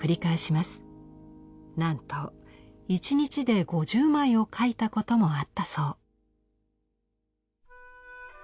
なんと１日で５０枚を描いたこともあったそう。